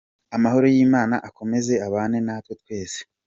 Amahoro y’Imana akomeze abane na twe twese.